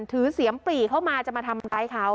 ถือเสียมปลี่เข้ามาจะมาทำไรเขา